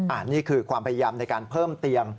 อันนี้คือความพยายามในการเพิ่มเตียง